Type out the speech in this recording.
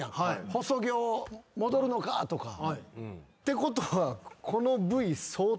「細魚戻るのか？」とか。ってことはこのＶ。